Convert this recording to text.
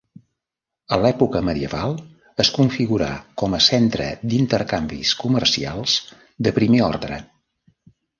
A l'època medieval es configurà com a centre d'intercanvis comercials de primer ordre.